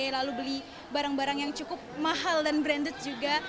lalu beli barang barang yang cukup mahal dan branded juga